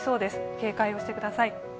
警戒をしてください。